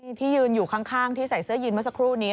นี่ที่ยืนอยู่ข้างที่ใส่เสื้อยืนเมื่อสักครู่นี้